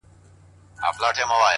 No hi ha victòria sense patiment.